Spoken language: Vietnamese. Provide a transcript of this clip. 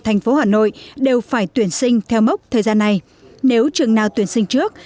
thành phố hà nội đều phải tuyển sinh theo mốc thời gian này nếu trường nào tuyển sinh trước